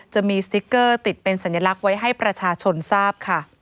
จะมีสติ๊กเกอร์ติดเป็นสัญลักษณ์ไว้ให้ประชาชนทราบค่ะ